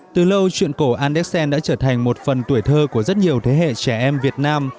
từ lâu chuyện cổ anderson đã trở thành một phần tuổi thơ của rất nhiều thế hệ trẻ em việt nam